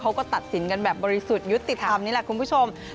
เขาก็ตัดสินกันแบบบริสุทธิ์ยุติธรรมนี่แหละคุณผู้ชม